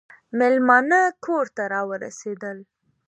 مېلمانه کور ته راورسېدل .